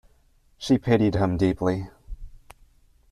She pitied him deeply.